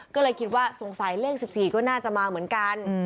ก็เลยคิดว่าสงสัยเลข๑๔ก็น่าจะมาเหมือนกัน